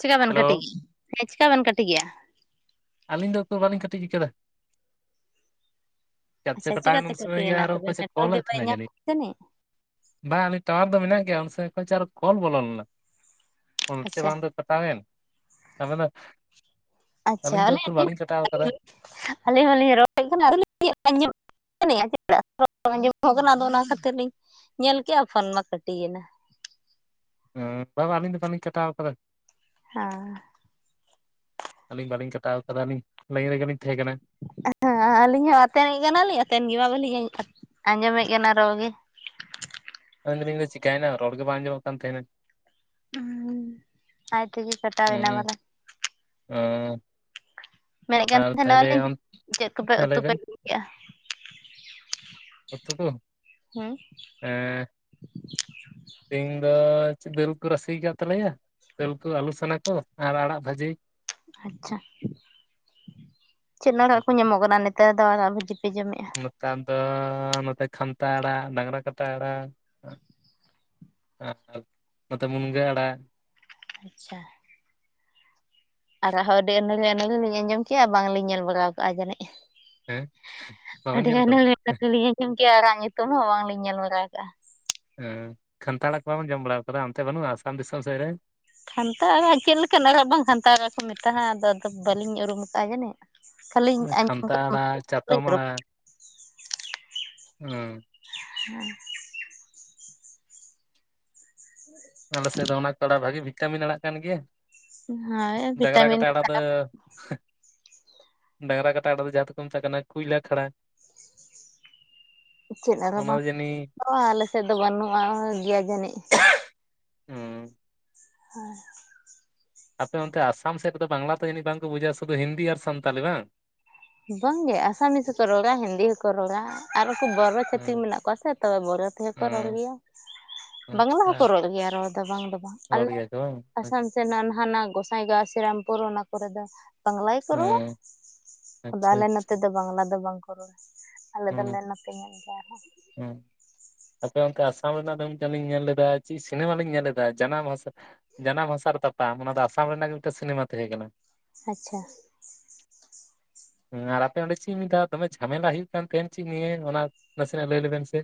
ᱪᱮᱠᱟ ᱵᱮᱱ ᱦᱮᱞᱳ ᱠᱟᱹᱴᱤᱡᱭᱟ ᱦᱮᱸ ᱪᱤᱠᱠᱟ ᱵᱮᱱ ᱠᱟᱹᱴᱤᱡᱭᱟ ᱟᱹᱞᱤᱧ ᱫᱚᱛᱚ ᱵᱟᱞᱤᱧ ᱠᱟᱴᱤᱡ ᱟᱠᱟᱫᱟ ᱪᱮᱠᱟ ᱛᱮᱪᱚ ᱟᱪᱪᱷᱟ ᱠᱚᱴᱟᱭᱮᱱ ᱩᱱ ᱪᱤᱠᱟᱹᱛᱮ ᱥᱚᱢᱚᱭ ᱜᱮ ᱟᱨ ᱠᱟᱹᱴᱤᱭᱮᱱᱟ ᱦᱚᱸ ᱛᱚᱵᱮ ᱚᱠᱚᱭᱪᱚ ᱱᱮᱴᱣᱟᱨᱠ ᱠᱚᱞ ᱜᱮ ᱮᱫ ᱵᱟᱭ ᱛᱟᱦᱮᱱᱟ ᱡᱟᱱᱤᱡ ᱧᱟᱢᱮᱫ ᱛᱟᱹᱱᱤᱡ? ᱵᱟᱝ ᱟᱞᱤᱧ ᱴᱟᱣᱟᱨ ᱫᱚ ᱢᱮᱱᱟᱜ ᱜᱮᱭᱟ ᱩᱱ ᱥᱜ ᱠᱷᱚᱱ ᱪᱚ ᱟᱨ ᱠᱳᱞ ᱵᱚᱞᱚ ᱞᱮᱱᱟ [unintelligible] ᱟᱪᱪᱷᱟ ᱵᱟᱝ ᱫᱚ ᱠᱟᱴᱟᱣᱮᱱ ᱟᱵᱮᱱ ᱫᱚ ᱟᱹᱞᱤᱧ ᱫᱚ ᱩᱠᱩᱨ ᱵᱟᱹᱞᱤᱧ ᱠᱟᱴᱟᱣ ᱟᱠᱟᱫᱟ᱾ ᱟᱹᱞᱤᱧ ᱦᱚᱸᱞᱤᱧ ᱨᱚᱦᱚᱲᱮᱫ ᱠᱟᱱᱟ ᱟᱨᱧᱸ ᱢᱮᱱ ᱪᱮᱫ ᱟᱸᱡᱚᱢᱚᱜ ᱠᱟᱱᱟ ᱟᱫᱚ ᱚᱱᱟ ᱠᱷᱟᱹᱛᱤᱨ ᱞᱤᱧ ᱧᱮᱞ ᱠᱮᱫᱼᱟ ᱯᱷᱳᱱ ᱢᱟ ᱠᱟᱹᱴᱤᱭᱮᱱᱟ᱾ ᱦᱚ ᱵᱟ ᱵᱟ ᱟᱹᱞᱤᱧ ᱫᱚ ᱵᱟᱹᱞᱤᱧ ᱠᱟᱴᱟᱣ ᱟᱠᱟᱫᱟ ᱦᱮᱸ ᱟᱹᱞᱤᱧ ᱵᱟᱹᱞᱤᱧ ᱠᱟᱴᱟᱣ ᱟᱠᱟᱫᱟᱞᱤᱧ ᱞᱟᱹᱭᱤᱱ ᱨᱮᱜᱮᱞᱤᱧ ᱛᱟᱦᱮᱸ ᱠᱟᱱᱟ ᱦᱮᱸ ᱟᱹᱞᱤᱧ ᱦᱚᱸ ᱟᱛᱮᱱᱮᱫ ᱠᱟᱱᱟᱞᱤᱧ ᱟᱛᱮᱱ ᱜᱮᱢᱟ ᱵᱟᱹᱞᱤᱧ ᱟᱸᱡᱚᱢᱮᱫ ᱠᱟᱱᱟ ᱨᱚ ᱜᱮ ᱢᱮᱱᱫᱟᱞᱤᱧ ᱫᱚ ᱪᱤᱠᱟᱹᱭᱱᱟ ᱨᱚᱲᱜ ᱜᱮ ᱵᱟᱝ ᱟᱡᱚᱢᱚᱜ ᱠᱟᱱ ᱛᱟᱦᱮᱱᱟ ᱦᱩᱸ ᱟᱭ ᱛᱮ ᱜᱮ ᱦᱮᱸ ᱩᱸ ᱢᱮᱱᱮᱫ ᱛᱟᱦᱮᱱᱟᱟᱞᱮᱧ ᱪᱮᱫ ᱠᱚᱯᱮ ᱦᱮᱸ ᱞᱟᱹᱭ ᱩᱛᱩ ᱯᱮ ᱵᱮᱱ ᱮᱫᱼᱟ ᱚᱛᱩ ᱠᱚ ᱦᱮᱸ ᱛᱮᱦᱮᱧ ᱫᱚ ᱪᱮᱫ ᱫᱮᱞ ᱠᱚ ᱨᱟᱥᱮ ᱟᱠᱟᱫ ᱛᱟᱞᱮᱭᱟ ᱫᱟᱹᱞ ᱠᱩ ᱟᱹᱞᱩ ᱥᱟᱱᱟ ᱠᱚ ᱟᱨ ᱟᱲᱟᱜ ᱵᱷᱟᱹᱡᱤ ᱟᱪᱪᱷᱟ ᱪᱤᱫ ᱟᱲᱟᱜ ᱠᱚ ᱧᱟᱢᱚᱜ ᱠᱟᱱᱟ ᱱᱮᱛᱟᱨ ᱫᱚ ᱟᱲᱟᱜ ᱵᱷᱟᱹᱡᱤ ᱯᱮ ᱡᱚᱢᱮᱜᱼᱟ ᱱᱚᱛᱟᱨ ᱫᱚ ᱱᱚᱛᱮ ᱠᱷᱟᱱᱛᱟ ᱟᱲᱟᱜ ᱰᱟᱝᱨᱟ ᱠᱟᱴᱟ ᱟᱲᱟᱜ [inaudible] ᱱᱚᱛᱮ ᱢᱩᱱᱜᱟᱹ ᱟᱲᱟᱜ ᱟᱪᱪᱷᱟ ᱟᱨᱟᱜᱦᱚᱸ ᱟᱹᱰᱤ ᱟᱹᱱᱟᱹᱲᱤ ᱟᱹᱱᱟᱹᱞᱤ ᱞᱤᱧ ᱟᱸᱡᱚᱢ ᱠᱮᱜᱼᱟ ᱵᱟᱝᱞᱤᱧ ᱧᱮᱞ ᱵᱟᱲᱟᱣ ᱠᱟᱜᱼᱟ ᱡᱟᱹᱱᱤᱡ ᱦᱮᱸ ᱵᱟᱵᱮᱱ ᱟᱹᱰᱤ ᱧᱮᱞ ᱜᱟᱱ ᱟᱠᱟᱫᱟ ᱟᱹᱱᱟᱹᱲᱤ ᱟᱹᱱᱟᱹᱲᱤᱞᱤᱧ ᱟᱸᱡᱚᱢ ᱠᱮᱜᱼᱟ ᱟᱨᱟᱜ ᱧᱩᱛᱩᱢ ᱦᱚᱸ ᱵᱟᱝᱞᱤᱧ ᱧᱮᱞ ᱵᱟᱲᱟᱣ ᱠᱟᱜᱼᱟ᱾ ᱮᱸ ᱠᱷᱟᱱᱛᱟ ᱟᱲᱟᱜ ᱠᱚ ᱵᱟᱢ ᱟᱡᱚᱢ ᱵᱟᱲᱟ ᱠᱟᱫᱟ ᱚᱱᱛᱮ ᱵᱟᱹᱱᱩᱜᱼᱟ ᱟᱥᱟᱢ ᱫᱤᱥᱚᱢ ᱥᱮᱫ ᱨᱮ ᱠᱷᱟᱱᱛᱟᱷ ᱟᱲᱟᱜ ᱪᱤᱫ ᱞᱮᱠᱟᱱ ᱟ ᱟᱨᱵᱟᱝ ᱵᱟᱝ ᱠᱷᱟᱱᱛᱷᱟ ᱠᱚ ᱢᱮᱛᱟᱜᱼᱟ ᱟᱫᱚ ᱟᱫᱚ ᱵᱟᱹᱞᱤᱧ ᱩᱨᱩᱢ ᱠᱟᱜᱼᱟ ᱡᱟᱹᱱᱤᱡ ᱠᱷᱟᱹᱞᱤᱧ ᱠᱷᱟᱱᱛᱟ ᱟᱲᱟᱜ ᱪᱟᱛᱚᱢ [unintelligible] ᱦᱩᱸ [inaudible] [inaudible] ᱟᱞᱮ ᱥᱮᱫ ᱫᱚ ᱚᱱᱟ ᱠᱚ ᱵᱷᱟᱜᱤ ᱵᱷᱤᱴᱟᱢᱤᱱ ᱟᱲᱟᱜ ᱠᱟᱱ ᱜᱮᱭᱟ᱾ ᱦᱳᱭ ᱫᱟᱜᱽᱨᱟ ᱵᱷᱤᱴᱟᱢᱤᱱ ᱠᱟᱛᱟ ᱟᱲᱟᱜ ᱫᱚ [inaudible] ᱰᱟᱜᱨᱟ ᱠᱟᱴᱟ ᱟᱲᱟᱜ ᱫᱚ ᱡᱟᱦᱟᱸ ᱫᱩ ᱠᱚ ᱢᱮᱛᱟᱜ ᱠᱟᱱᱟ ᱠᱩᱭᱞᱟ ᱠᱷᱟᱲᱟ [unintelligible] ᱚᱱᱟ ᱫᱚ ᱡᱟᱹᱱᱤᱡ ᱫᱚ ᱵᱟᱝ ᱟᱞᱮ ᱥᱮᱫ ᱫᱚ ᱵᱟᱹᱱᱩᱜᱼᱟ ᱜᱮᱭᱟ ᱡᱟ ᱡᱟᱹᱱᱤᱡ ᱚᱸ ᱦᱮᱸ ᱟᱯᱮ ᱚᱱᱛᱮ ᱟᱥᱟᱢ ᱥᱮᱫ ᱠᱚᱫᱚ ᱵᱟᱝᱞᱟ ᱫᱚ ᱡᱟᱱᱤᱡ ᱵᱟᱝᱠᱚ ᱵᱩᱡᱷᱟ ᱥᱩᱫᱩ ᱦᱤᱱᱫᱤ ᱟᱨ ᱥᱟᱱᱛᱟᱞᱤ ᱵᱟᱝ ᱵᱟᱝᱜᱮ ᱟᱥᱟᱢᱤᱡ ᱦᱚᱠᱚ ᱨᱚᱲᱟ ᱦᱤᱱᱫᱤ ᱦᱚᱠᱚ ᱨᱚᱲᱟ ᱟᱨ ᱠᱚ ᱵᱚᱲᱚ ᱠᱷᱟᱴᱤ ᱦᱩᱸ ᱢᱮᱱᱟᱜ ᱠᱚᱣᱟ ᱥᱮ ᱛᱚ ᱵᱚᱨᱚ ᱛᱮᱦᱚᱸ ᱠᱚ ᱨᱚᱲ ᱦᱩᱸ ᱜᱮᱭᱟ ᱵᱟᱝᱞᱟ ᱦᱚᱸᱠᱚ ᱟᱪᱪᱷᱟ ᱨᱚᱲ ᱜᱮᱭᱟ ᱨᱚᱲ ᱫᱚ ᱵᱟᱝ ᱫᱚ ᱵᱟᱝ ᱟᱞᱮ ᱨᱚᱲ ᱜᱮᱭᱟ ᱠᱚ ᱵᱟᱝ ᱟᱥᱟᱢ ᱥᱮ ᱱᱟᱱᱦᱱᱟᱜ ᱜᱚᱸᱥᱟᱭ ᱜᱟᱥᱤᱨᱟᱢᱯᱩᱨ ᱚᱱᱟ ᱠᱚᱨᱮ ᱫᱚ ᱵᱟᱝᱞᱟᱭ ᱠᱚ ᱨᱚᱲᱼᱟ ᱦᱩᱸ ᱟᱫᱚ ᱟᱪᱪᱷᱟ ᱟᱞᱮ ᱟᱪᱪᱷᱟ ᱱᱚᱛᱮ ᱫᱚ ᱵᱟᱝᱞᱟ ᱫᱚ ᱵᱟᱝᱠᱚ ᱨᱚᱲᱟ ᱟᱞᱮ ᱫᱚᱞᱮ ᱱᱚᱛᱮ ᱧᱚᱜ ᱜᱮᱭᱟ ᱟᱨᱦᱚᱸ ᱦᱮᱸ ᱟᱯᱮ ᱚᱱᱛᱮ ᱟᱥᱟᱢ ᱨᱮᱱᱟᱜ ᱫᱚ ᱢᱤᱫ ᱞᱤᱧ ᱧᱮᱞ ᱞᱮᱫᱟ ᱪᱤᱫ ᱥᱤᱱᱮᱢᱟ ᱞᱤᱧ ᱧᱮᱞ ᱞᱮᱫᱟ ᱡᱟᱱᱟᱢ ᱢᱚᱟ ᱥᱮ ᱵᱟᱝ ᱡᱟᱱᱟᱢ ᱦᱟᱥᱟ ᱨᱮ ᱛᱚ ᱵᱟᱝ ᱚᱱᱟ ᱫᱚ ᱟᱥᱟᱢ ᱨᱮᱱᱟᱜ ᱢᱤᱫᱴᱮᱱ ᱥᱤᱱᱮᱢᱟ ᱛᱟᱦᱮᱸ ᱠᱟᱱᱟ ᱟᱪᱪᱷᱟ ᱦᱮᱸ ᱟᱨ ᱟᱯᱮ ᱚᱸᱰᱮ ᱪᱤᱫ ᱞᱮᱠᱟ ᱫᱚᱢᱮ ᱡᱷᱟᱢᱮᱞᱟ ᱦᱩᱭᱩᱜ ᱠᱟᱱ ᱛᱟᱦᱮᱸᱱ ᱪᱮᱫ ᱱᱤᱭᱟ. ᱚᱱᱟ ᱱᱟᱥᱮᱱᱟᱜ ᱞᱟᱹᱭ ᱞᱮᱵᱮᱱ ᱥᱮ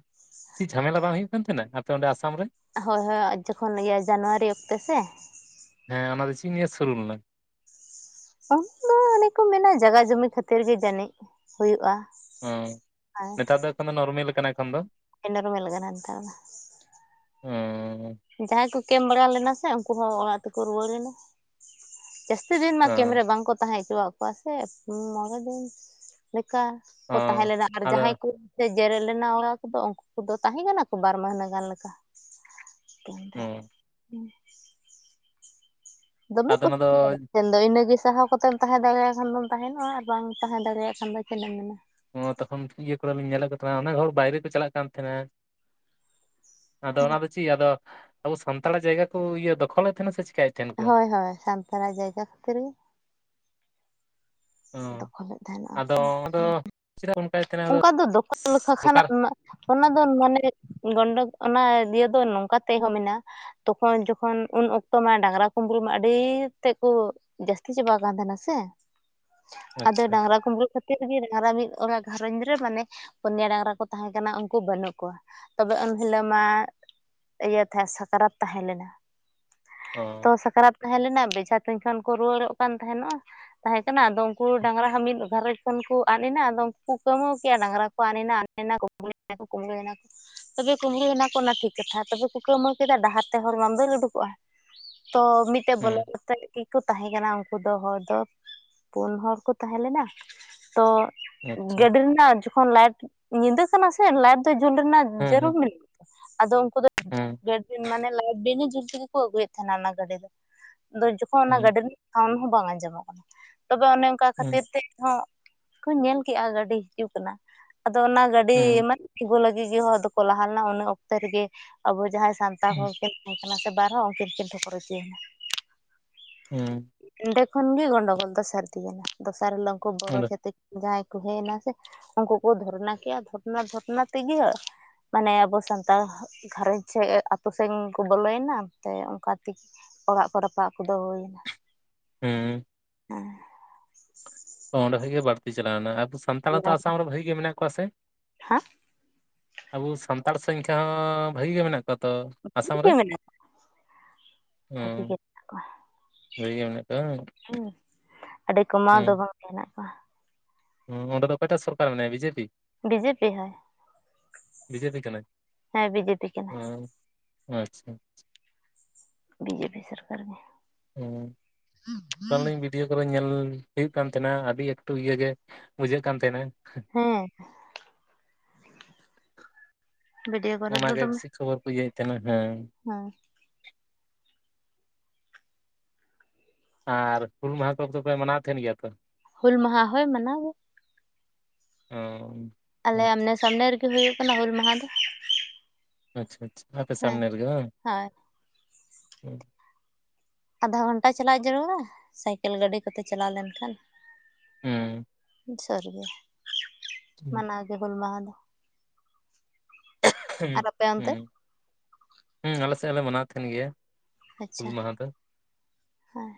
ᱪᱤᱫ ᱡᱷᱟᱢᱮᱞᱟ ᱵᱟᱝ ᱦᱩᱭᱩᱜ ᱠᱟᱱ ᱛᱟᱦᱮᱱᱟ ᱟᱯᱮ ᱚᱸᱰᱮ ᱟᱥᱟᱢ ᱨᱮ ᱦᱳᱭ ᱦᱳᱭ ᱡᱚᱠᱷᱚᱱ ᱤᱭᱟᱹ ᱡᱟᱱᱩᱣᱟᱨᱤ ᱚᱠᱛᱮ ᱥᱮ ᱦᱮᱸ ᱚᱱᱟ ᱫᱚ ᱪᱤᱫ ᱱᱤᱭᱟᱹ ᱥᱩᱨᱩ ᱞᱮᱱᱟ ᱚᱱᱮ ᱠᱚ ᱢᱮᱱᱟ ᱡᱟᱭᱜᱟ ᱡᱩᱢᱤ ᱠᱷᱟᱹᱛᱤᱨ ᱜᱮ ᱡᱟᱹᱱᱤᱡ ᱦᱩᱭᱩᱜᱼᱟ ᱦᱚᱸ ᱱᱮᱛᱟᱨ ᱫᱚ ᱮᱠᱷᱚᱱ ᱫᱚ ᱱᱚᱨᱢᱮᱞ ᱠᱟᱱᱟ ᱮᱠᱷᱚᱱ ᱫᱚ ᱤᱱᱟᱹ ᱨᱤᱢᱤᱠ ᱟᱠᱟᱱᱟ ᱱᱚᱛᱮ ᱫᱚ ᱦᱚᱸ ᱡᱟᱦᱟᱸᱭ ᱠᱚ ᱠᱮᱢ ᱵᱟᱲᱟ ᱞᱮᱱᱟ ᱥᱮ ᱩᱱᱠᱩ ᱦᱚᱸ ᱚᱲᱟᱜ ᱛᱮᱠᱚ ᱨᱩᱣᱟᱹᱲ ᱮᱱᱟ ᱡᱟᱹᱥᱛᱤ ᱫᱤᱱ ᱢᱟ ᱠᱮᱢ ᱨᱮ ᱦᱚᱸ ᱵᱟᱝᱠᱚ ᱛᱟᱦᱮᱸ ᱦᱚᱪᱚᱣᱟᱜ ᱠᱚ ᱠᱚᱣᱟ ᱥᱮ ᱢᱚᱬᱮ ᱫᱤᱱ ᱞᱤᱠᱟ ᱠᱚ ᱛᱟᱦᱮᱸ ᱦᱚᱸ ᱞᱮᱱᱟ ᱟᱨ ᱟᱫᱚ ᱡᱟᱦᱟᱸᱭ ᱠᱚ ᱥᱮ ᱡᱮᱨᱮᱲ ᱞᱮᱱᱟ ᱚᱲᱟᱜ ᱠᱚᱫᱚ ᱩᱱᱠᱩ ᱠᱚᱫᱚ ᱛᱟᱦᱮᱸ ᱠᱟᱱᱟ ᱠᱚ ᱵᱟᱨ ᱢᱟᱹᱦᱱᱟᱹ ᱜᱟᱱ ᱞᱮᱠᱟ ᱦᱚᱸ [inaudible] ᱫᱚᱢᱮ ᱟᱫᱚ ᱚᱱᱟ ᱫᱚ [inaudible] ᱟᱫᱚ ᱤᱱᱟᱹᱜᱮ ᱥᱟᱦᱟᱣ ᱠᱟᱛᱮᱢ ᱛᱟᱦᱮᱸ ᱫᱟᱲᱮᱭᱟᱜ ᱠᱷᱟᱱ ᱫᱚᱢ ᱛᱟᱦᱮᱱᱚᱜᱼᱟ ᱟᱨ ᱵᱟᱝ ᱛᱟᱦᱮᱸ ᱫᱟᱲᱮᱭᱟᱜ ᱠᱷᱟᱱ ᱫᱚ ᱪᱮᱫ ᱮᱢ ᱢᱮᱱᱟ ᱛᱚᱠᱷᱚᱱ ᱤᱭᱟᱹ ᱠᱚᱨᱮᱞᱤᱧ ᱧᱮᱞᱮᱫ ᱠᱚ ᱛᱟᱦᱮᱱᱟ ᱚᱱᱟ ᱦᱚᱲ ᱵᱟᱭᱨᱮ ᱠᱚ ᱪᱟᱞᱟᱜ ᱠᱟᱱ ᱛᱟᱦᱮᱸᱱᱟ ᱟᱫᱚ ᱚᱱᱟ ᱫᱚ ᱪᱤᱫ ᱟᱫᱚ ᱟᱵᱚ ᱥᱟᱱᱛᱟᱲᱟᱜ ᱡᱟᱭᱜᱟ ᱠᱚ ᱤᱭᱟᱹ ᱫᱚᱠᱷᱚᱞᱮᱫ ᱛᱟᱦᱮᱱᱟ ᱥᱮ ᱪᱮᱠᱟᱹᱭᱮᱛ ᱦᱳᱭ ᱦᱳᱭ ᱥᱟᱱᱛᱟᱲᱟᱜ ᱡᱟᱭᱜᱟ ᱠᱷᱟᱹᱛᱤᱨ ᱜᱮ ᱚ ᱫᱚᱠᱷᱚᱞᱮᱫ ᱛᱟᱦᱮᱱᱚᱜᱼᱟ ᱠᱚ ᱪᱮᱫ ᱩᱴᱟᱭᱱᱟ [unintelligible] ᱚᱱᱠᱟ ᱫᱚ ᱫᱚᱠᱷᱚᱞ ᱠᱷᱱᱟᱜ ᱨᱮᱱᱟᱜ [unintelligible] ᱚᱱᱟ ᱫᱚ ᱢᱟᱱᱮ ᱜᱚᱱᱰᱚ ᱚᱱᱟ ᱤᱭᱟᱹ ᱫᱚ ᱱᱚᱝᱠᱟ ᱛᱮᱦᱚᱸ ᱢᱮᱱᱟᱜᱼᱟ ᱛᱚᱠᱷᱚᱱ ᱡᱚᱠᱷᱚᱱ ᱩᱱ ᱚᱠᱛᱚ ᱢᱟ ᱰᱟᱝᱨᱟ ᱠᱩᱢᱵᱽᱲᱩ ᱢᱟ ᱟᱹᱰᱤ ᱛᱮᱫ ᱠᱚ ᱡᱟᱹᱥᱛᱤ ᱪᱟᱵᱟᱜ ᱠᱟᱱ ᱛᱟᱦᱮᱸᱟᱦᱮᱱᱟ ᱥᱮ ᱟᱫᱚ ᱟᱪᱪᱷᱟ ᱰᱟᱝᱨᱟ ᱠᱩᱢᱵᱽᱲᱩ ᱠᱷᱟᱹᱛᱤᱨ ᱜᱮ ᱰᱟᱝᱨᱟ ᱢᱤᱫ ᱚᱲᱟᱜ ᱜᱷᱟᱨᱚᱸᱧᱡᱽ ᱨᱮ ᱢᱟᱱᱮ ᱯᱩᱱᱭᱟ ᱰᱟᱝᱨᱟ ᱠᱚ ᱛᱟᱦᱮᱸ ᱠᱟᱱᱟᱟᱱᱟ ᱩᱱᱠᱩ ᱵᱟᱹᱱᱩᱜ ᱠᱚᱣᱟ ᱛᱚᱵᱮ ᱩᱱᱱ ᱦᱤᱞᱳᱜ ᱢᱟ ᱤᱭᱟᱹ ᱛᱟᱦᱮᱸ ᱥᱟᱠᱨᱟᱛ ᱛᱟᱦᱮᱸ ᱞᱮᱱᱟ ᱚ [inaudible] ᱛᱚ ᱥᱟᱠᱨᱟᱛ ᱛᱟᱦᱮᱸ ᱞᱮᱱᱟ ᱵᱮᱡᱷᱟ ᱛᱩᱧ ᱠᱷᱚᱱ ᱠᱚ ᱨᱩᱣᱟᱹᱲᱚᱜ ᱠᱟᱱ ᱛᱟᱦᱮᱱᱚᱜᱼᱟ ᱛᱟᱦᱮᱸ ᱠᱟᱱᱟ ᱟᱫᱚ ᱩᱱᱠᱩ ᱰᱟᱝᱨᱟ ᱦᱚᱸ ᱢᱤᱫ ᱜᱷᱟᱷᱟᱨᱚᱡᱽ ᱠᱷᱚᱱ ᱠᱚ ᱟᱫ ᱮᱱᱟ ᱟᱫᱚ [inaudible] ᱰᱟᱝᱨᱟ ᱠᱚ ᱟᱫ ᱮᱱᱟ [inaudible] ᱛᱚᱵᱮ ᱠᱩᱢᱵᱽᱲᱩᱮᱱᱟ ᱠᱚ ᱚᱱᱟ ᱴᱷᱤᱠ ᱠᱟᱛᱷᱟ ᱛᱚᱵᱮ ᱠᱩ ᱠᱟᱣᱢᱟᱣ ᱠᱮᱫᱟ ᱰᱟᱦᱟᱨ ᱛᱮ ᱦᱚᱲ ᱵᱟᱝ ᱫᱟᱹᱲ ᱩᱰᱩᱠᱚᱜᱼᱟ ᱛᱚ ᱢᱤᱫᱴᱮᱡ ᱵᱚᱞᱚᱛ ᱦᱩᱸ ᱠᱚ ᱛᱟᱦᱮᱸ ᱠᱟᱱᱟ ᱩᱱᱠᱩ ᱫᱚ ᱦᱚᱲ ᱫᱚ ᱯᱩᱱ ᱦᱚᱲ ᱠᱚ ᱛᱟᱦᱮᱸ ᱞᱮᱱᱟ ᱛᱚ ᱟᱪᱪᱷᱟ ᱜᱟᱹᱰᱤ ᱨᱮᱱᱟᱜ ᱡᱚᱠᱷᱚᱱ ᱞᱟᱭᱤᱴ ᱧᱤᱫᱟᱹᱜ ᱠᱟᱱᱟ ᱥᱮ ᱞᱟᱭᱤᱴ ᱫᱚ ᱡᱩᱞ ᱨᱮᱱᱟᱜ ᱦᱩᱸ ᱡᱟᱹᱨᱩᱲ ᱦᱩᱸ ᱢᱮᱱᱟᱜᱼᱟ ᱟᱫᱚ ᱩᱱᱠᱩ ᱦᱩᱸ ᱫᱚ ᱢᱟᱱᱮ ᱞᱟᱭᱤᱴ ᱵᱤᱱ ᱡᱩᱞ ᱵᱟ ᱠᱚ ᱟᱹᱜᱩᱭᱮᱫ ᱛᱟᱦᱮᱱᱟ ᱚᱱᱟ ᱜᱟᱹᱰᱤ ᱫᱚ ᱟᱫᱚ ᱡᱚᱠᱷᱚᱱ ᱚᱱᱟ ᱦᱩᱸ ᱜᱟᱹᱰᱤ ᱨᱤᱱᱤᱡ ᱦᱚᱸ ᱵᱟᱝ ᱟᱸᱡᱚᱢᱚᱜ ᱠᱟᱱᱟ ᱛᱚᱵᱮ ᱚᱱᱮ ᱚᱱᱠᱟ ᱦᱩᱸ ᱠᱷᱟᱹᱛᱤᱨ ᱛᱮᱦ ᱠᱩ ᱧᱮᱞ ᱠᱼᱟ ᱜᱟᱹᱰᱤ ᱦᱤᱡᱩᱜ ᱠᱟᱱᱟ ᱟᱫᱚ ᱚᱱᱟ ᱜᱟᱹᱰᱤ ᱦᱩᱸ ᱢᱟᱱ ᱛᱜᱩ ᱞᱟᱹᱜᱤᱫ ᱜᱮ ᱦᱚᱲ ᱫᱚ ᱠᱚ ᱞᱟᱦᱟ ᱞᱮᱱᱟ ᱚᱱᱟ ᱚᱠᱛᱚ ᱨᱮᱜᱮ ᱟᱵᱚ ᱡᱟᱦᱟᱸᱭ ᱥᱟᱱᱛᱟᱲ ᱠᱚ ᱦᱩᱸ ᱛᱟᱦᱮᱸ ᱠᱟᱱᱟ ᱥᱮ ᱵᱟᱨᱦ ᱦᱚᱸ ᱩᱱᱠᱤᱱ ᱠᱤᱱ ᱴᱷᱚᱠᱠᱚᱨ ᱤᱫᱤᱭᱮᱱᱟ ᱦᱮᱸ ᱮᱸᱰᱮ ᱠᱷᱚᱱᱜᱤ ᱜᱚᱱᱰᱳᱜᱳᱞ ᱫᱚ ᱥᱟᱹᱨᱫᱤᱭ ᱠᱟᱱᱟ ᱫᱚᱥᱟᱨ ᱦᱤᱞᱳ ᱩᱱᱠᱩ ᱵᱚᱨᱚ ᱚᱸᱰᱮ ᱪᱟᱹᱛᱮ ᱡᱟᱦᱟᱸᱭ ᱦᱮᱡᱭᱱᱟ ᱥᱮ ᱩᱱᱠᱩ ᱠᱚ ᱫᱷᱚᱨᱱᱟ ᱠᱮᱫᱮᱜᱼᱟ ᱫᱷᱚᱨᱱᱟ ᱫᱷᱚᱨᱱᱟ ᱛᱮᱜᱮ [unintelligible] ᱢᱟᱱᱮ ᱟᱵᱚ ᱥᱟᱱᱛᱟᱲ ᱜᱷᱟᱨᱚᱸᱧᱡᱽ ᱥᱮ ᱟᱛᱳ ᱥᱮᱫ ᱠᱚ ᱵᱚᱞᱚᱭᱮᱱᱟᱱᱛᱮ ᱚᱱᱠᱟ ᱛᱮᱜᱮ ᱚᱲᱟᱜ ᱠᱚ ᱨᱟᱯᱟᱜ ᱠᱚᱫᱚ ᱦᱩᱭ ᱮᱱᱟ ᱦᱮᱸ ᱦᱮᱸ [unintelligible] ᱚᱸᱰᱮ ᱠᱷᱚᱱᱜᱮ ᱵᱟᱹᱲᱛᱤ ᱪᱟᱞᱟᱣᱮᱱᱟ ᱟᱵᱚ ᱥᱟᱱᱛᱟᱲᱦᱚᱛᱚ ᱦᱟᱸ ᱟᱥᱟᱢ ᱨᱮ ᱵᱷᱟᱹᱜᱤ ᱜᱮ ᱢᱮᱱᱟᱜ ᱠᱚᱣᱟ ᱥᱮ᱾ ᱟᱵᱚ ᱥᱟᱱᱛᱟᱲ ᱥᱚᱝᱠᱷᱟᱻ ᱵᱷᱟᱹᱜᱤ ᱜᱮ ᱢᱮᱱᱟᱜ ᱠᱚᱣᱟ ᱛᱚ ᱟᱥᱟᱢ ᱨᱮ᱾ ᱜᱮ ᱢᱮᱱᱟᱜ ᱠᱚᱣᱟ ᱦᱸᱚ ᱵᱷᱟᱜᱤ ᱜᱮ ᱢᱮᱱᱟᱜ ᱵᱷᱟᱹᱜᱮ ᱜᱮ ᱢᱮᱱᱟᱜ ᱠᱚᱣᱟ᱾ ᱦᱤ ᱟᱹᱰᱤ ᱠᱚᱢᱟᱣ ᱫᱚ ᱦᱩᱸ ᱵᱟᱝ ᱦᱮᱱᱟᱜ-ᱟ᱾ ᱦᱩᱸ ᱚᱸᱰᱮ ᱫᱚ ᱚᱠᱚᱭᱴᱟᱜ ᱥᱚᱨᱠᱟᱨ ᱢᱮᱱᱟᱭᱟ ᱵᱤᱡᱮ ᱯᱤ᱾ ᱵᱤᱡᱮᱯᱤ ᱦᱳᱭ ᱵᱤᱡᱮᱯᱤ ᱠᱟᱱᱟᱭ ᱦᱮᱸ ᱵᱤᱡᱮᱯᱤ ᱠᱟᱱᱟᱭ ᱦᱩᱸ᱾ ᱟᱪᱪᱷᱟ ᱟᱪᱪᱷᱟ ᱵᱤᱡᱮ ᱯᱤ ᱥᱚᱨᱠᱟᱨ ᱜᱮ᱾ ᱦᱩᱸ ᱾ [unintelligible] ᱵᱷᱤᱰᱤᱭᱳ ᱠᱚᱨᱮ ᱧᱮᱞ ᱦᱩᱭᱩᱜ ᱠᱟᱱ ᱛᱟᱦᱮᱱᱟ ᱟᱹᱰᱤ ᱮᱠᱴᱩ ᱤᱭᱟᱹ ᱜᱮ ᱵᱩᱡᱷᱟᱹᱜ ᱠᱟᱱ ᱛᱟᱦᱮᱱᱟ᱾ ᱦᱮᱸ᱾ ᱵᱷᱤᱰᱭᱳ ᱠᱚᱨᱮ ᱫᱚ ᱚᱱᱟᱜᱮ ᱫᱚᱢᱮ ᱵᱤᱥᱤ ᱠᱷᱚᱵᱚᱨ [unintelligible] ᱛᱤᱱᱟᱹᱜ ᱦᱮᱸ᱾ ᱦᱮᱸ᱾ ᱟᱨ ᱦᱩᱞ ᱢᱟᱦᱟ ᱠᱚᱫᱚᱯᱮ ᱢᱟᱱᱟᱣ ᱛᱟᱦᱮᱱ ᱜᱮᱭᱟ ᱛᱚ᱾ ᱦᱩᱞ ᱢᱟᱦᱟ ᱦᱚᱭ ᱢᱟᱱᱟᱣ᱾ ᱚ᱾ ᱟᱞᱮ ᱟᱢᱱᱮ ᱥᱟᱢᱱᱮ ᱨᱮᱜᱮ ᱦᱩᱭᱩᱜ ᱠᱟᱱᱟ ᱦᱩᱞ ᱢᱟᱦᱟ ᱫᱚ᱾ ᱟᱪᱪᱷᱟ ᱟᱪᱪᱷᱟ ᱟᱯᱮ ᱦᱮᱸ ᱥᱟᱢᱱᱮ ᱨᱮᱜᱮ ᱵᱟᱝ᱾ ᱦᱳᱭ ᱟᱫᱷᱟ ᱜᱷᱚᱱᱴᱟ ᱪᱟᱞᱟᱜ ᱡᱟᱹᱨᱩᱲᱟ ᱥᱟᱭᱠᱮᱞ ᱜᱟᱹᱰᱤ ᱠᱚᱛᱮ ᱪᱟᱞᱟᱣ ᱞᱮᱱᱠᱷᱟᱱ᱾ ᱦᱩᱸ᱾ ᱥᱟᱹᱨᱤ ᱜᱮ ᱢᱟᱱᱟᱣ ᱜᱮ ᱦᱩᱞ ᱢᱟᱦᱟ ᱫᱚ᱾ ᱟᱨ ᱟᱯᱮ ᱚᱱᱛᱮ ᱦᱩᱸ ᱦᱩᱸ ᱟᱞᱮ ᱥᱮᱫ ᱦᱚᱸᱞᱮ ᱢᱟᱱᱟᱣ ᱛᱟᱦᱮᱱ ᱜᱮᱭᱟ᱾ ᱟᱪᱪᱷᱟ ᱦᱩᱞ ᱢᱟᱦᱟ ᱫᱚ ᱦᱮᱸ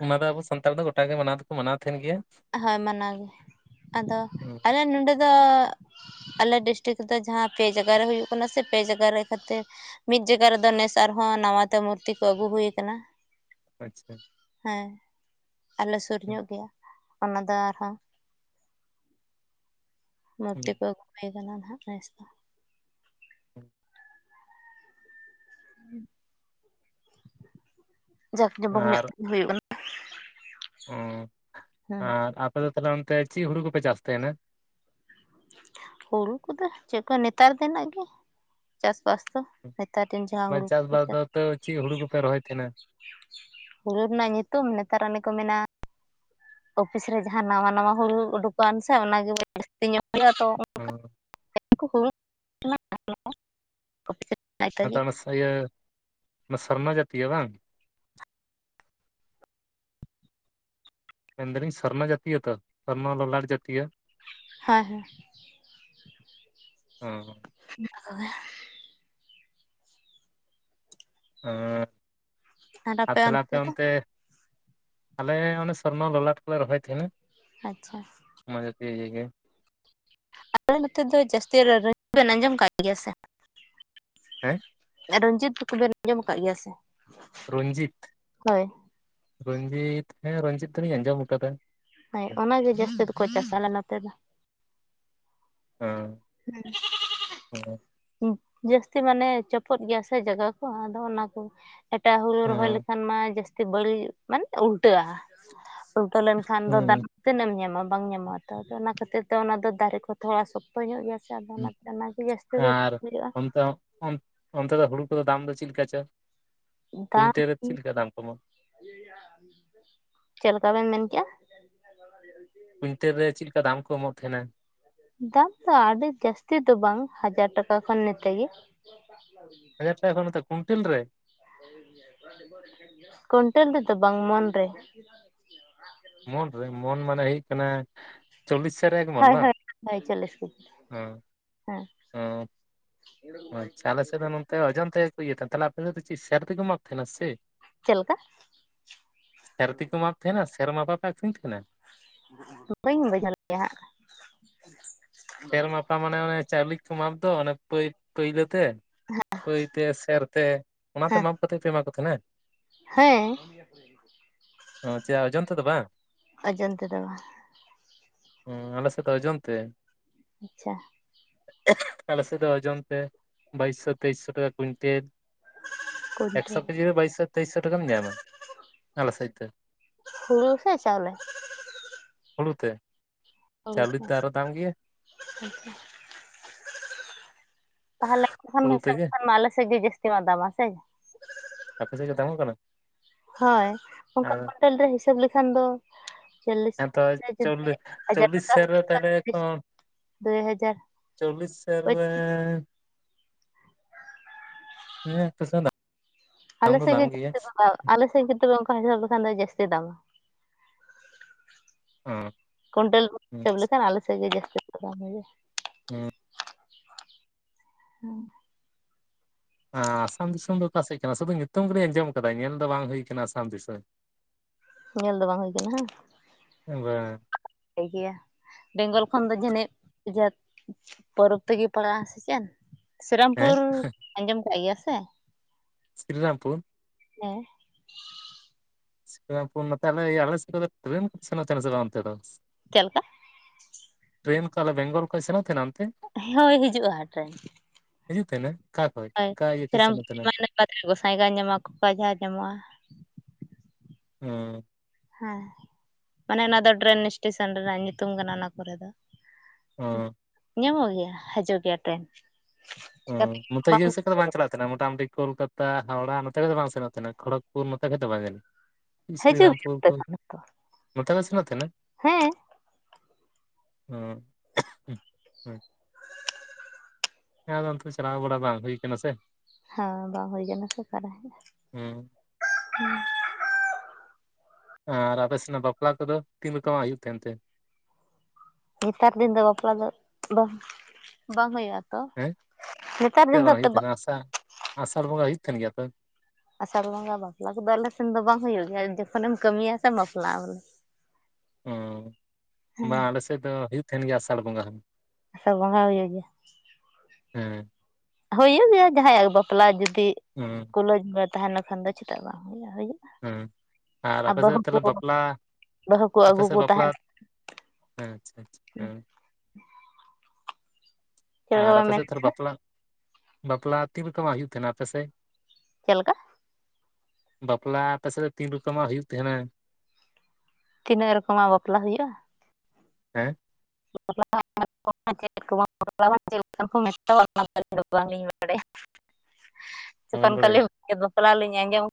ᱚᱱᱟ ᱫᱚ ᱟᱵᱚ ᱥᱟᱱᱛᱟᱲ ᱫᱚ ᱜᱚᱴᱟ ᱜᱮ ᱢᱟᱱᱟᱣ ᱫᱚᱠᱚ ᱢᱟᱱᱟᱣ ᱛᱟᱦᱮᱱ ᱜᱮᱭᱟ ᱦᱳᱭ ᱢᱟᱱᱟ ᱜᱮ ᱟᱫᱚ ᱟᱞᱮ ᱱᱚᱰᱮ ᱫᱚ ᱟᱞᱮ ᱰᱤᱥᱴᱤᱠ ᱨᱮᱫᱚ ᱡᱟᱦᱟᱸ ᱯᱮ ᱡᱟᱜᱟ ᱨᱮ ᱦᱩᱭᱩᱜ ᱠᱟᱱᱟ ᱥᱮ ᱯᱮ ᱡᱟᱜᱟ ᱨᱮ ᱠᱷᱟᱹᱛᱤᱨ ᱢᱤᱫ ᱡᱟᱭᱜᱟ ᱨᱮᱫᱚ ᱱᱮᱥ ᱟᱨᱦᱚᱸ ᱱᱟᱣᱟᱛᱮ ᱢᱩᱨᱛᱤ ᱠᱚ ᱟᱹᱜᱩ ᱦᱩᱭ ᱠᱟᱱᱟ ᱟᱪᱪᱷᱟ ᱦᱮᱸ ᱟᱞᱮ ᱥᱩᱨ ᱧᱚᱜ ᱜᱮᱭᱟ ᱚᱱᱟ ᱫᱚ ᱟᱨᱦᱚᱸ ᱢᱩᱨᱛᱤ ᱠᱚ ᱟᱹᱜᱩ ᱦᱩᱭ ᱠᱟᱱᱟ ᱱᱟᱜ ᱱᱮᱥ ᱫᱚ [unintelligible] ᱡᱟᱠ ᱡᱚᱡᱚᱠ ᱧᱚᱜ ᱦᱩᱭᱩᱜ ᱟᱱ ᱚ ᱦᱮᱸ ᱟᱨ ᱟᱯᱮ ᱫᱚ ᱛᱟᱦᱞᱮ ᱚᱱᱛᱮ ᱪᱮᱫ ᱦᱩᱲᱩ ᱠᱚᱯᱮ ᱪᱟᱥ ᱛᱟᱦᱮᱱᱼᱟ ᱦᱩᱲᱩ ᱠᱚᱫᱚ ᱪᱮᱫ ᱠᱚ ᱱᱮᱛᱟᱨ ᱫᱤᱱ ᱨᱮᱱᱟᱜ ᱜᱮ ᱪᱟᱥᱵᱟᱥ ᱫᱚ ᱱᱮᱛᱟᱨ ᱫᱤᱱ ᱡᱟᱦᱟᱸ ᱦᱩᱲᱩ ᱠᱚᱠᱚ ᱪᱟᱥᱵᱟᱥ ᱫᱚ ᱪᱟᱥ ᱛᱚ ᱪᱮᱫ ᱦᱩᱲᱩ ᱠᱚᱯᱮ ᱨᱚᱦᱚᱭ ᱛᱟᱦᱮᱱᱟ ᱦᱩᱲᱩ ᱨᱮᱱᱟᱜ ᱧᱩᱛᱩᱢ ᱱᱮᱛᱟᱨ ᱚᱱᱮ ᱠᱚ ᱢᱮᱱᱟ ᱚᱯᱷᱤᱥ ᱨᱮ ᱡᱟᱦᱟᱸ ᱱᱟᱶᱟ ᱱᱟᱶᱟ ᱦᱩᱲᱩ ᱩᱰᱩᱠ ᱠᱟᱱ ᱥᱮ ᱚᱱᱟᱜᱮ ᱡᱟᱹᱥᱛᱤ ᱧᱚᱜ ᱦᱩᱭᱩᱜᱼᱟ ᱛᱚ [unintelligible] ᱟᱫᱚ ᱚᱱᱟ [inaudible] ᱥ- ᱤᱭᱟᱹ ᱚᱱᱟ ᱥᱚᱨᱱᱟ ᱡᱛᱤᱭᱚ ᱵᱟᱝ ᱢᱮᱱ ᱫᱟᱞᱤᱧ ᱥᱚᱨᱱᱚ ᱡᱟᱛᱤᱭᱚ ᱛᱚ ᱥᱚᱨᱱᱚ ᱞᱚᱞᱟᱴ ᱡᱟᱛᱤᱭᱚ ᱦᱮᱸ ᱦᱮᱸ ᱚ [unintelligible] ᱟᱨ ᱛᱟᱦᱞᱮ ᱟᱯᱮ ᱚᱱᱛᱮ ᱟᱞᱮ ᱚᱱᱮ ᱥᱚᱨᱱᱚ ᱞᱚᱞᱟᱴ ᱠᱚᱞᱮ ᱨᱚᱦᱚᱭ ᱛᱟᱦᱮᱱᱟ ᱟᱪᱪᱷᱟ ᱚᱱᱟ ᱡᱟᱛᱤᱭᱚ ᱜᱮ ᱟᱞᱮ ᱱᱚᱛᱮ ᱫᱚ ᱡᱟᱹᱥᱛᱤ ᱵᱮᱱ ᱟᱸᱡᱚᱢ ᱠᱟᱫ ᱜᱮᱭᱟ ᱥᱮ ᱦᱮᱸ ᱨᱚᱧᱡᱤᱛ ᱠᱚᱵᱮᱱ ᱟᱸᱡᱚᱢ ᱠᱟᱜ ᱜᱮᱭᱟ ᱥᱮ ᱨᱚᱧᱡᱤᱛ ᱦᱳᱭ ᱨᱚᱧᱡᱤᱛ ᱦᱮᱸ ᱨᱚᱧᱡᱤᱛ ᱫᱚᱞᱤᱧ ᱟᱸᱡᱚᱢ ᱠᱟᱫᱟ ᱦᱳᱭ ᱚᱱᱟᱜᱮ ᱡᱟᱹᱥᱛᱤ ᱫᱚᱠᱚ ᱪᱟᱥᱟ ᱟᱞᱮ ᱱᱚᱛᱮ ᱫᱚ [unintelligible] ᱦᱮᱸ [unintelligible] ᱡᱟᱹᱥᱛᱤ ᱢᱟᱱᱮ ᱪᱚᱯᱚᱫ ᱜᱮᱭᱟ ᱥᱮ ᱡᱟᱭᱜᱟ ᱠᱚ ᱟᱫᱚ ᱚᱱᱟ ᱠᱚ ᱮᱴᱟᱜ ᱦᱩᱲᱩ ᱨᱚᱦᱚᱭ ᱞᱮᱠᱷᱟᱱ ᱢᱟ ᱡᱟᱹᱥᱛᱤ ᱵᱟᱹᱲᱤᱡ ᱢᱟᱱᱮ ᱩᱞᱴᱟᱹᱜᱼᱟ ᱩᱩᱞᱴᱟᱹ ᱞᱮᱱᱠᱷᱟᱱ ᱫᱚ ᱫᱟᱨᱮ ᱦᱮᱸ ᱛᱤᱱᱟᱹᱜ ᱮᱢ ᱧᱟᱢᱟ ᱵᱟᱝ ᱧᱟᱢᱚᱜᱼᱟ ᱛᱚ ᱟᱫᱚ ᱚᱱᱟ ᱠᱷᱟᱹᱛᱤᱨ ᱛᱮ ᱚᱱᱟ ᱫᱚ ᱫᱟᱨᱮ ᱛᱷᱚᱲᱟ ᱥᱚᱠᱛᱚ ᱧᱚᱜ ᱜᱮᱭᱟ ᱥᱮ ᱟᱫᱚ ᱦᱮᱸ ᱚᱱᱟᱛᱮ ᱚᱱᱟ ᱜᱮ ᱡᱟᱥᱛᱤ ᱟᱨ ᱚᱱᱛᱮ ᱚᱱᱛᱮ ᱫᱚ ᱦᱩᱲᱩ ᱠᱚᱫᱚ ᱫᱟᱢ ᱫᱚ ᱪᱮᱫᱠᱟ ᱪᱮ ᱫᱟᱢ ᱪᱮᱫ ᱞᱮᱠᱟ ᱵᱮᱱ ᱢᱮᱱᱠᱮᱜᱼᱟ ᱠᱩᱭᱱᱛᱮᱞ ᱨᱮ ᱪᱮᱫ ᱞᱮᱠᱟ ᱫᱟᱢ ᱠᱚ ᱮᱢᱚᱜ ᱛᱟᱦᱮᱱᱼᱟ ᱫᱟᱢ ᱫᱚ ᱟᱹᱰᱤ ᱡᱟᱹᱥᱛᱤ ᱫᱚ ᱵᱟᱝ ᱦᱟᱡᱟᱨ ᱴᱟᱠᱟ ᱠᱷᱚᱱ ᱱᱛᱮᱜᱮ ᱦᱟᱡᱟᱨ ᱴᱟᱠᱟ ᱠᱷᱚᱱ ᱱᱚᱛᱮ ᱠᱩᱱᱴᱮᱞ ᱨᱮ ᱠᱩᱱᱴᱮᱞ ᱛᱮᱫᱚ ᱵᱟᱝ ᱢᱚᱱ ᱨᱮ ᱢᱚᱱ ᱨᱮ ᱢᱚᱱ ᱢᱟᱱᱮ ᱦᱩᱭᱩᱜ ᱠᱟᱱᱟ ᱪᱚᱞᱞᱤᱥ ᱥᱚ ᱨᱮ ᱮᱠ ᱢᱚᱱ ᱦᱳᱭ ᱵᱟᱝ ᱦᱳᱭ ᱦᱳᱭ ᱪᱚᱞᱞᱤᱥ ᱠᱮᱡᱤ ᱦᱮᱸ ᱦᱮᱸ ᱟᱪᱪᱷᱟ ᱟᱞᱮ ᱥᱮᱫ ᱫᱚ ᱱᱚᱛᱮ ᱳᱡᱚᱱ ᱛᱮᱜ ᱜᱮ ᱠᱚ ᱤᱭᱟᱹ ᱛᱟᱦᱮᱱᱼᱟ ᱛᱟᱦᱞᱮ ᱟᱯᱮ ᱢᱟ ᱪᱮᱫ ᱥᱟᱹᱨ ᱛᱮᱠᱚ ᱢᱟᱯ ᱛᱟᱦᱮᱱᱼᱟ ᱥᱮ? ᱪᱮᱫ ᱞᱮᱠᱟ? ᱥᱮᱨ ᱛᱮ ᱠᱚ ᱢᱟᱯ ᱛᱟᱦᱮᱱᱟ ᱥᱮᱨ ᱢᱟᱯᱮ ᱟᱠᱷᱨᱤᱧ ᱛᱟᱦᱮᱱᱼᱟ ᱵᱟᱹᱧ ᱵᱩᱡᱷᱟᱹᱣᱭᱟ ᱦᱟᱸᱜ ᱯᱷᱮᱨ ᱢᱟᱯᱷᱟ ᱢᱟᱱᱮ ᱚᱱᱮ ᱪᱟᱣᱞᱮ ᱠᱚ ᱢᱟᱯ ᱫᱚ ᱚᱱᱮ ᱯᱟᱹᱭ ᱯᱟᱹᱭᱞᱟᱹ ᱛᱮ ᱯᱟᱹᱭ ᱛᱮ ᱥᱮᱨ ᱛᱮ ᱚᱱᱟᱛᱮ ᱦᱮᱸ ᱮᱯᱛᱮᱫ ᱯᱮ ᱮᱢᱟ ᱠᱚ ᱛᱟᱦᱮᱸᱱᱟ᱾ ᱦᱮᱸ ᱚ ᱪᱮᱫ ᱚᱱᱚᱱ ᱛᱮ ᱫᱚ ᱵᱟᱝ ᱚᱡᱚᱱ ᱛᱮᱫᱚ ᱵᱟᱝ᱾ ᱦᱩᱸ ᱟᱞ ᱥᱮᱛ ᱚᱡᱚᱱ ᱛᱮ᱾ ᱟᱪᱪᱷᱟ ᱟᱞᱮ ᱥᱮᱫ ᱫᱚ ᱳᱡᱚᱱ ᱛᱮ ᱵᱟᱭᱤᱥᱥᱚ ᱛᱮᱭᱤᱥ ᱥᱚ ᱴᱟᱠᱟ ᱠᱩᱭᱤᱱᱴᱮᱞ᱾ ᱠᱩᱭᱱᱴᱟᱞ ᱮᱠᱥᱚ ᱠᱮᱡᱤ ᱨᱮ ᱵᱟᱭᱤᱥᱚ ᱛᱮᱭᱤᱥ ᱥᱚ ᱴᱟᱠᱟᱢ ᱧᱟᱢᱟ ᱟᱞᱮ ᱥᱮᱫ ᱫᱚ᱾ ᱦᱩᱲᱩ ᱥᱮ ᱪᱟᱣᱞᱮ? ᱦᱩᱲᱩ ᱛᱮ ᱚ ᱪᱟᱣᱞᱮ ᱛᱮ ᱟᱨᱚ ᱫᱟᱢ ᱜᱮᱭᱟ [unintelligible] ᱛᱟᱦᱚᱞᱮ ᱠᱷᱟᱱ ᱦᱩᱲᱩ ᱦᱤᱥᱟᱹᱵ ᱛᱮᱜᱮ ᱞᱮᱠᱷᱟᱱ ᱢᱟ ᱟᱞᱮ ᱥᱮᱫ ᱜᱮ ᱡᱟᱹᱥᱛᱤ ᱢᱟ ᱫᱟᱢᱟ ᱥᱮ᱾ ᱟᱯᱮ ᱥᱮᱫ ᱜᱮ ᱫᱟᱢᱚᱜ ᱠᱟᱱᱟ? ᱦᱳᱭ ᱚᱱᱠᱟ ᱟᱨ ᱠᱩᱭᱱᱴᱟᱞ ᱨᱮ ᱦᱤᱥᱟᱹᱵ ᱞᱮᱠᱷᱟᱱ ᱫᱚ ᱪᱚᱞᱞᱤᱥ ᱦᱮᱸᱛᱚ ᱴᱟᱠᱟ ᱠᱟᱛᱮᱜᱮ ᱪᱚᱞᱞᱤᱥ ᱡᱚᱫᱤ ᱦᱟᱡᱟᱨ ᱪᱚᱞᱞᱤᱥ ᱴᱟᱠᱟ ᱥᱮᱨ ᱦᱩᱭ ᱨᱮ ᱞᱮᱱᱠᱷᱟᱱ ᱛᱟᱦᱚᱞᱮ ᱠᱚ [unintelligible] ᱫᱩᱭ ᱦᱟᱡᱟᱨ ᱪᱚᱞᱞᱤᱥ ᱥᱮᱨ ᱨᱮ ᱯᱟᱪᱤᱥ [unintelligible] ᱟᱞᱮ ᱫᱟᱢ ᱫᱚ ᱥᱮᱫ ᱫᱟᱢ ᱜᱮ ᱜᱮᱭᱟ ᱡᱟᱹᱛᱤ ᱟᱞᱮ ᱥᱮᱫ ᱜᱮ ᱛᱮ ᱚᱱᱠᱟ ᱦᱤᱥᱟᱹᱵ ᱞᱮᱠᱷᱟᱱ ᱫᱚ ᱡᱟᱹᱥᱛᱤ ᱫᱟᱢᱟ᱾ ᱦᱮᱸ ᱠᱩᱭᱱᱴᱮᱞ ᱠᱚ ᱦᱮᱸ ᱦᱤᱥᱟᱹᱵ ᱞᱮᱠᱷᱟᱱ ᱟᱞᱮ ᱥᱮᱫ ᱜᱮ ᱡᱟᱹᱥᱛᱤ ᱫᱟᱢ ᱦᱩᱭᱩᱜᱼᱟ᱾ ᱦᱮᱸ [inaudible] ᱟᱥᱟᱢ ᱫᱤᱥᱚᱢ ᱫᱚ ᱚᱠᱟ ᱥᱮᱫ ᱠᱟᱱᱟ? ᱥᱩᱫᱩ ᱧᱩᱛᱩᱢ ᱜᱮᱞᱤᱧ ᱟᱸᱡᱚᱢ ᱟᱠᱟᱫᱟ ᱧᱮᱞ ᱫᱚ ᱵᱟᱝ ᱦᱩᱭ ᱟᱠᱟᱱᱟ ᱟᱥᱟᱢ ᱫᱤᱥᱚᱢ᱾ ᱧᱮᱞ ᱫᱚ ᱵᱟᱝ ᱦᱩᱭ ᱟᱠᱟᱱᱟ ᱦᱮᱸ ᱵᱟᱝ ᱜᱮᱭᱟ ᱵᱮᱝᱜᱚᱞ ᱠᱷᱚᱱ ᱫᱚ ᱡᱟᱹᱱᱤᱪ ᱡᱟᱹᱛᱼᱼ ᱯᱚᱨᱚᱵᱽ ᱛᱮᱜᱮ ᱯᱟᱲᱟᱜᱼᱟ ᱥᱮ ᱪᱮᱫ? ᱥᱤᱨᱟᱢᱯᱩᱨ ᱟᱸᱡᱚᱢ ᱠᱟᱜ ᱜᱮᱭᱟ ᱥᱮ? ᱥᱤᱨᱤ ᱨᱟᱢᱯᱩᱨ ᱦᱮᱸ ᱥᱤᱨᱤᱨᱟᱢᱯᱩᱨ ᱱᱚᱛᱮ ᱟᱠᱮ ᱟᱠᱮ ᱥᱮᱫ ᱠᱷᱚᱱ ᱫᱚ ᱴᱨᱮᱱ ᱠᱟᱫᱚ ᱥᱮᱱᱚᱜ ᱛᱟᱦᱮᱱᱟ ᱥᱮ ᱵᱟᱝ? ᱚᱱᱛᱮ ᱫᱚ ᱪᱮᱫ ᱞᱮᱠᱟ? ᱴᱮᱨᱮᱱ ᱠᱚ ᱵᱮᱝᱜᱚᱞ ᱠᱷᱚᱱ ᱥᱮᱱᱚᱜ ᱛᱟᱦᱮᱱᱟ ᱚᱱᱛᱮ ᱦᱳᱭ ᱦᱤᱡᱩᱜᱼᱟ ᱴᱮᱨᱮᱱ᱾ ᱦᱤᱡᱩᱜ ᱛᱟᱦᱮᱱᱟ ᱟᱠᱟ ᱠᱷᱚᱡ ᱟᱠᱟ ᱤᱭᱟᱹ ᱠᱷᱟᱱ ᱥᱮᱱᱟᱜ ᱛᱟᱦᱮᱱᱟ? ᱚᱠᱟ ᱫᱚ ᱜᱚᱸᱥᱟᱭ ᱜᱟᱸ ᱧᱟᱢᱚᱜᱼᱟ ᱠᱚᱠᱲᱟ ᱡᱟᱨ ᱧᱟᱢᱚᱜᱼᱟ᱾ ᱦᱮᱸ ᱦᱮᱸ ᱢᱟᱱᱮ ᱚᱱᱟ ᱫᱚ ᱴᱮᱨᱮᱱ ᱮᱥᱴᱮᱥᱚᱱ ᱨᱮᱱᱟᱜ ᱧᱩᱛᱩᱢ ᱠᱟᱱᱟ ᱚᱱᱟ ᱠᱚᱨᱮ ᱫᱚ᱾ ᱦᱚᱸ ᱧᱟᱢᱚᱜ ᱜᱮᱭᱟ ᱦᱤᱡᱩᱜ ᱜᱮᱭᱟ ᱴᱮᱨᱮᱱ᱾ ᱚᱸ ᱱᱚᱛᱮ ᱤᱭᱟᱹ ᱥᱮᱫ ᱫᱚ ᱵᱟᱝ ᱪᱟᱞᱟᱜ ᱛᱟᱦᱮᱱᱟ ᱢᱚᱴᱟᱢᱴᱤ ᱠᱳᱞᱠᱟᱛᱟ ᱦᱟᱣᱲᱟ ᱱᱚᱛᱮ ᱠᱷᱚᱡ ᱫᱚ ᱵᱟᱝ ᱥᱮᱱᱚᱜ ᱛᱟᱦᱮᱱᱟ ᱠᱷᱚᱲᱚᱜᱯᱩᱨ ᱱᱚᱛᱮ ᱠᱷᱚᱡ ᱫᱚ ᱵᱟᱝ ᱡᱟᱱᱤᱡ᱾ ᱥᱤᱨᱤ ᱦᱤᱡᱩᱜ ᱜᱮᱭᱟ ᱨᱟᱢᱯᱩᱨ ᱚᱱᱛᱮ ᱠᱚ, ᱠᱷᱚᱱ ᱦᱚᱸᱛᱚ ᱱᱚᱛ ᱞᱮ ᱥᱮᱱᱚᱜ ᱛᱟᱦᱮᱱᱟ ᱦᱮᱸ ᱚᱸ ᱦᱮᱸ ᱟᱫᱚ ᱚᱱᱛᱮ ᱪᱟᱞᱟᱣ ᱵᱟᱲᱟ ᱵᱟᱝ ᱦᱩᱭ ᱠᱟᱱᱟ ᱥᱮ᱾ ᱦᱮᱸ ᱵᱟᱝ ᱦᱩᱭ ᱥᱮ ᱚᱠᱟ ᱨᱮᱦᱚᱸ ᱦᱩ ᱦᱮᱸ ᱟᱨ ᱟᱯᱮ ᱥᱮᱱᱟᱜ ᱵᱟᱯᱞᱟ ᱠᱚᱫᱚ ᱛᱤᱱ ᱨᱚᱠᱚᱢᱟᱜ ᱦᱩᱭᱩᱜ ᱛᱟᱦᱮᱸᱱ ᱛᱮ? ᱱᱮᱛᱟᱨ ᱫᱤᱱ ᱫᱚ ᱵᱟᱯᱞᱟ ᱫᱚ ᱵᱟᱝ ᱵᱟᱝ ᱦᱩᱭᱩᱜᱼᱟ᱾ ᱱᱮᱛᱟᱨ ᱫᱤᱱ ᱫᱚ ᱟᱥᱟ ᱟᱥᱟᱲ ᱵᱚᱸᱜᱟ ᱦᱩᱭᱩᱜ ᱛᱟᱦᱮᱱ ᱜᱮᱭᱟ ᱛᱚ ᱟᱥᱟᱲ ᱵᱚᱸᱜᱟ ᱵᱟᱯᱞᱟ ᱠᱚᱫᱚ ᱟᱞᱮ ᱥᱮᱱ ᱫᱚ ᱵᱟᱝ ᱦᱩᱭᱩᱜ ᱜᱮᱭᱟ ᱡᱚᱠᱷᱚᱱ ᱮᱢ ᱠᱟᱹᱢᱤᱭᱟ ᱥᱮᱢ ᱵᱟᱯᱞᱟᱜ-ᱟ ᱵᱚᱞᱮ ᱚᱸ ᱵᱟᱝ ᱟᱞᱮ ᱥᱮᱫ ᱫᱚ ᱦᱩᱭᱩᱜ ᱛᱟᱦᱮᱱ ᱜᱮᱭᱟ ᱟᱥᱟᱲ ᱵᱚᱸᱜᱟ ᱦᱚᱸ ᱟᱥᱟᱲ ᱵᱚᱸᱜᱟ ᱦᱩᱭᱩᱜ ᱜᱮᱭᱟ ᱦᱮᱸ ᱦᱩᱭᱩᱜ ᱜᱮᱭᱟ ᱡᱟᱦᱟᱸᱭᱟᱜ ᱵᱟᱯᱞᱟ ᱡᱩᱫᱤ ᱦᱮᱸ ᱛᱩᱞᱟᱹ ᱡᱷᱟᱹ ᱛᱟᱦᱮ ᱞᱮᱱ ᱠᱷᱟᱱ ᱫᱚ ᱪᱮᱫᱟᱜ ᱵᱟᱝ ᱦᱩᱭᱩᱜᱼᱟ ᱦᱮᱸ ᱟᱨ ᱟᱯᱮ ᱵᱟᱹᱦᱩ ᱥᱮᱫ ᱠᱚ ᱛᱟᱦᱚᱞᱮ ᱵᱟᱯᱞᱟ ᱵᱟᱹᱦᱩ ᱠᱚ ᱟᱯᱮ ᱟᱹᱜᱩ ᱥᱮᱫ ᱠᱚ ᱵᱟᱯᱞᱟ ᱛᱟᱦᱮᱱ ᱦᱮᱸ ᱟᱪᱪᱷᱟ ᱟᱪᱪᱷᱟ ᱦᱮᱸ ᱪᱮᱫ ᱞᱮᱠᱟ ᱟᱨ ᱵᱟᱭ ᱟᱯᱮ ᱢᱮᱱ ᱥᱮᱫ ᱛᱟᱦᱚᱞᱮ ᱛᱟᱦᱮᱱᱟ ᱵᱟᱯᱞᱟ ᱵᱟᱯᱞᱟ ᱛᱤᱱ ᱨᱚᱠᱚᱢᱟᱜ ᱦᱩᱭᱩᱜ ᱛᱟᱦᱮᱱᱟ ᱟᱯᱮ ᱥᱮᱫ ᱪᱮᱫ ᱞᱮᱠᱟ ᱵᱟᱯᱞᱟ ᱟᱯᱮ ᱥᱮᱫ ᱨᱮ ᱛᱤᱱ ᱨᱚᱠᱚᱢᱟᱜ ᱦᱩᱭᱩᱜ ᱛᱟᱦᱮᱱᱟ ᱛᱤᱱᱟᱹᱜ ᱨᱚᱠᱚᱢᱟᱜ ᱵᱟᱯᱞᱟ ᱦᱩᱭᱩᱜ-ᱟ ᱦᱮᱸ [inaudible] [inaudible] [inaudible] ᱪᱮᱠᱚᱱ ᱠᱟᱞᱤ ᱵᱟᱯᱞᱟ ᱞᱤᱧ ᱟᱸᱡᱚᱢ